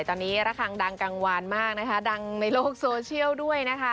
ตอนนี้ระคังดังกลางวานมากนะคะดังในโลกโซเชียลด้วยนะคะ